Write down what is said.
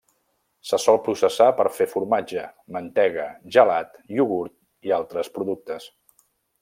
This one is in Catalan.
Se sol processar per fer formatge, mantega, gelat, iogurt i altres productes.